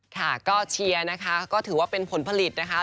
ค่ะก็เชียร์นะคะก็ถือว่าเป็นผลผลิตนะคะ